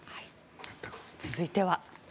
続いては。